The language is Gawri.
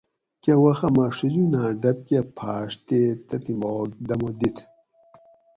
کہ وخہ مہ ڛجونہ ڈب کہ پھاۤڛ تے تِباکہ مہ دمہ دِت